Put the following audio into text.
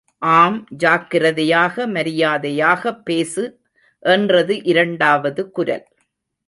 ஆம் ஜாக்கிரதையாக மரியாதையாகப் பேசு என்றது இரண்டாவது குரல்.